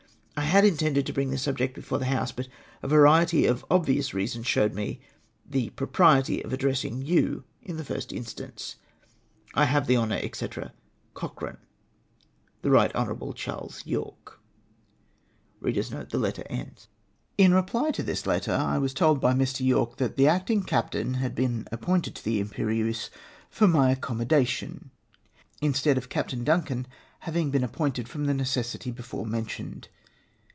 J had in tended to bring this subject before the House, but a variety of obvious reasons showed me the propriety of addressing you in the first instance. " I have the honour, &c., " CocnRANE. " The Rldit Hon. Charles Yorke." PEREMPTORILY ORDERED TO JOIN MY SHIP Io5 111 reply to this letter, I was told by Mr, Yorke that the acting captain had been appointed to the Im perieuse for " my accommodation "// instead of Captain Duncan having been appointed from the necessity before mentioned